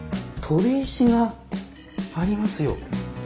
飛び石がありますよ。